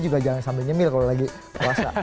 jangan sampai nyemil kalau lagi puasa